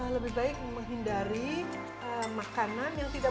lebih baik menghindari makanan yang tidak